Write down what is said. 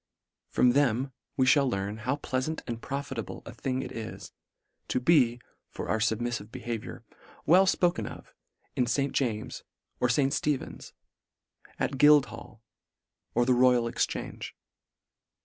From them we mail learn, how pleafant and profitable a thing it is, to be, for our fubmiiTive behaviour, well fpoken of in St. James's, or St. Stephen's ; at Guildhall, or the Royal Exchange.